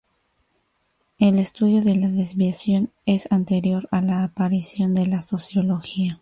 El estudio de la desviación es anterior a la aparición de la sociología.